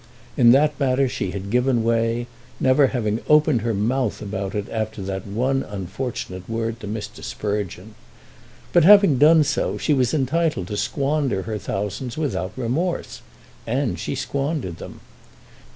In that matter she had given way, never having opened her mouth about it after that one unfortunate word to Mr. Sprugeon. But, having done so, she was entitled to squander her thousands without remorse, and she squandered them.